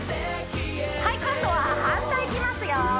はい今度は反対いきますよ